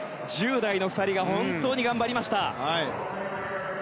１０代の２人が本当に頑張りました。